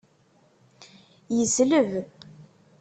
Yesleb.